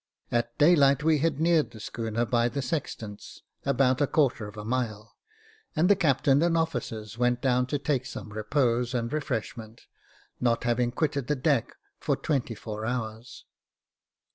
At daylight we had neared the schooner, by the sextants, about a quarter of a mile, and the captain and officers went down to take some repose and refreshment, not having quitted the deck for twenty four hours.